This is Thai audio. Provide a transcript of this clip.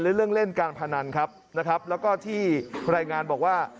หรือเรื่องเล่นการพนันครับแล้วก็ที่รายงานบอกว่า